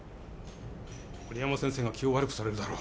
森山先生が気を悪くされるだろう。